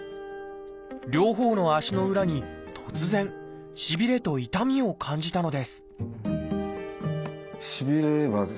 両方の足の裏に突然しびれと痛みを感じたのです